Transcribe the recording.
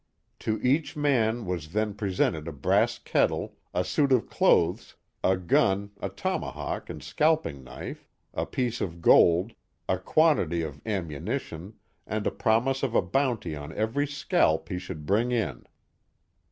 To each man was then presented a brass kettle, a suit of clothes, a gun, a tomahawk and scalping knife, a piece of gold, a quantity of ammunition, and a promise of a bounty on every scalp he should bring in.